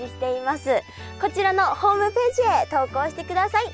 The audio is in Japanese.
こちらのホームページへ投稿してください。